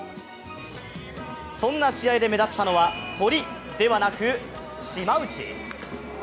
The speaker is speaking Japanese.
そんな試合で目立ったのは、鳥ではなく、島内。